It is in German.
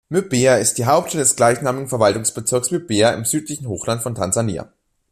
Mbeya ist die Hauptstadt des gleichnamigen Verwaltungsbezirks Mbeya im südlichen Hochland von Tansania.